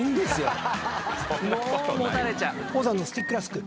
オウザンのスティックラスク。